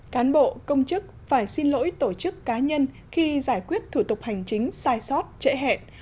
cán bộ công chức phải xin lỗi tổ chức cá nhân khi giải quyết thủ tục hành chính sai sót trễ hẹn